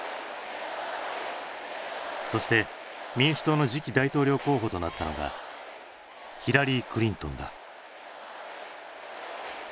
そして民主党の次期大統領候補となったのがヒラリー・クリントンだ。